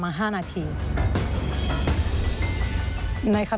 สวัสดีครับ